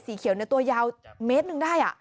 สีเขียวตัวยาวเม็ดนึงได้